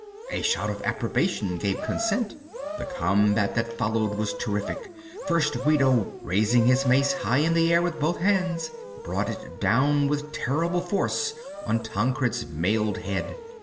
A shout of approbation gave consent. The combat that followed was terrific. First Guido, raising his mace high in the air with both hands, brought it down with terrible force on Tancred's mailed head.